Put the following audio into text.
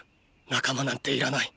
仲間なんていらない。